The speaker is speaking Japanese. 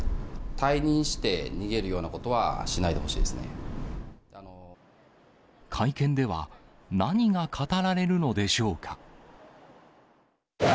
退任して逃げるようなことは会見では、何が語られるのでしょうか。